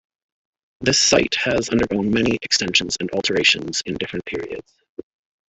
The site has undergone many extensions and alterations in different periods.